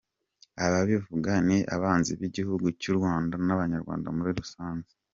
Ababivuga ni abanzi b’igihugu cy’uRwanda n’abanyarwanda muri rusange.